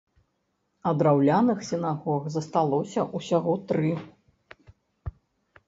А драўляных сінагог засталося ўсяго тры.